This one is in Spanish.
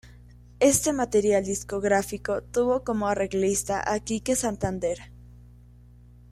Este material discográfico tuvo como arreglista a Kike Santander.